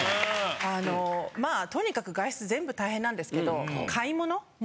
あのまあとにかく外出全部大変なんですけど。